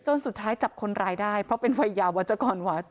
สุดท้ายจับคนร้ายได้เพราะเป็นวัยยาวัชกรวัด